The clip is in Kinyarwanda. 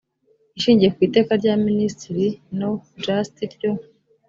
ishingiye ku iteka rya minisitiri no just ryo